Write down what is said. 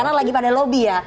karena lagi pada lobby ya